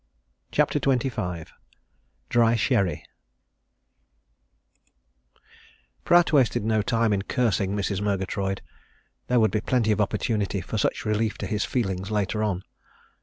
CHAPTER XXV DRY SHERRY Pratt wasted no time in cursing Mrs. Murgatroyd. There would be plenty of opportunity for such relief to his feelings later on.